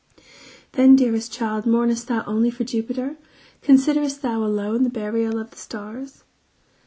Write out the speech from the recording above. Then dearest child mournest thou only for Jupiter? Considerest thou alone the burial of the stars?